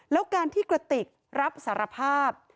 แล้วการที่กระติกรับสารภาพ